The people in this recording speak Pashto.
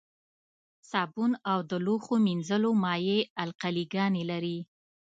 صابون او د لوښو مینځلو مایع القلي ګانې لري.